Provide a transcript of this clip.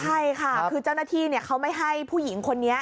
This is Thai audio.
ใช่ค่ะคือเจ้าหน้าที่เขาไม่ให้ผู้หญิงคนนี้